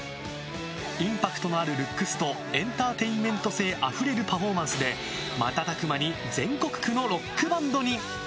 インパクトのあるルックスとエンターテインメント性あふれるパフォーマンスで瞬く間に全国区のロックバンドに。